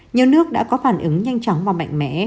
nhiều nước đã có phản ứng nhanh chóng và mạnh mẽ